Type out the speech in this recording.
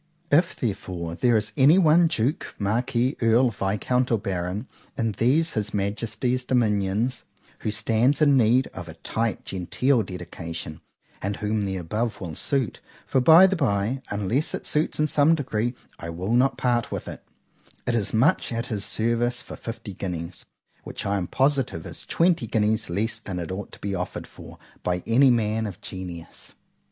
If therefore there is any one Duke, Marquis, Earl, Viscount, or Baron, in these his Majesty's dominions, who stands in need of a tight, genteel dedication, and whom the above will suit, (for by the bye, unless it suits in some degree, I will not part with it)——it is much at his service for fifty guineas;——which I am positive is twenty guineas less than it ought to be afforded for, by any man of genius.